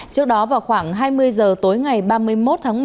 trước đó vào khoảng hai mươi giờ tối ngày ba mươi một tháng một